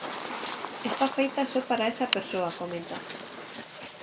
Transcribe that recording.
Está feita só para esa persoa comenta.